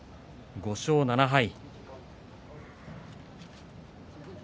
５勝７敗。